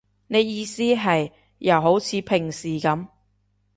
你意思係，又好似平時噉